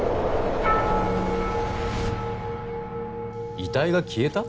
遺体が消えた？